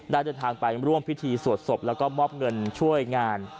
เดินทางไปร่วมพิธีสวดศพแล้วก็มอบเงินช่วยงาน